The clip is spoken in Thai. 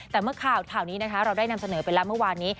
แต่เมื่อข่าวนี้นะคะเราได้นำเสนอไปแล้วเมื่อวานนี้